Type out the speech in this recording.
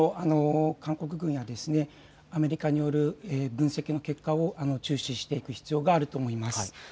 ですので、今後の韓国軍やアメリカによる分析の結果を注視していく必要があると思います。